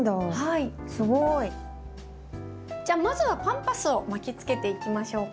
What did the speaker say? すごい。じゃあまずはパンパスを巻きつけていきましょうか。